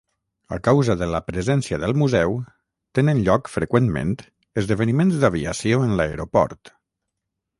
A causa de la presència del museu, tenen lloc freqüentment esdeveniments d'aviació en l'aeroport.